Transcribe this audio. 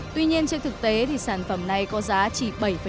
tuy nhiên trên thực tế thì sản phẩm này có giá chỉ bảy bốn tỷ đồng